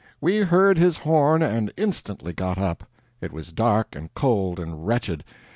We heard his horn and instantly got up. It was dark and cold and wretched.